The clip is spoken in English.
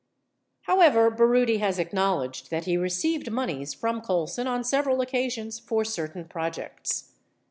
63 However, Baroody has acknowledged that he received moneys from Colson on several occasions for certain projects.